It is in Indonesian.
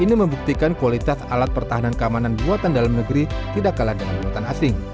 ini membuktikan kualitas alat pertahanan keamanan buatan dalam negeri tidak kalah dengan buatan asing